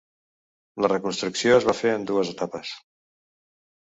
La reconstrucció es va fer en dues etapes.